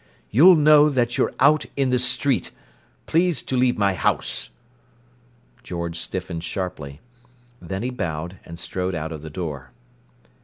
"You'll know that you're out in the street. Please to leave my house!" George stiffened sharply. Then he bowed, and strode out of the door.